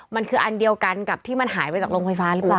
มันคืออันเดียวกันกับที่มันหายไปจากโรงไฟฟ้าหรือเปล่า